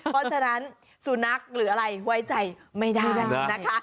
เพราะฉะนั้นสุนัขหรืออะไรไว้ใจไม่ได้นะคะ